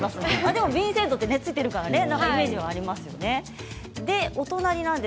でも、ビンセントと付いているからイメージがありますよね。